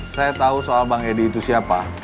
saya tahu soal bang edi itu siapa